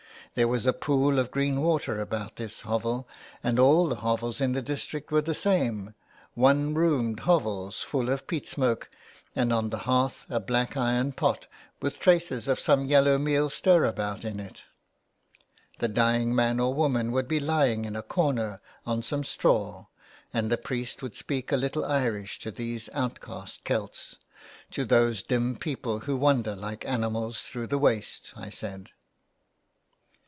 There was a pool of green water about this hovel, and all the hovels in the district were the same — one roomed hovels, full of peat smoke, and on the hearth a black iron pot, with traces of some yellow meal stirabout in it. The dying man or woman would be lying in a corner on some straw, and the priest would speak a little Irish to these outcast Celts, "to those dim people who wander like animals through the waste,'' I said.